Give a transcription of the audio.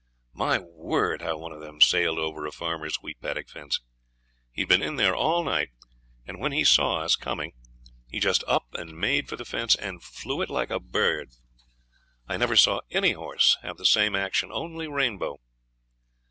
My word! how one of them sailed over a farmer's wheat paddock fence. He'd been in there all night, and when he saw us coming he just up and made for the fence, and flew it like a bird. I never saw any horse have the same action, only Rainbow.